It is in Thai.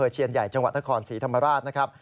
อเชียญใหญ่จนครสีธรรมราชนะครับ